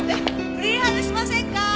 フリーハグしませんか？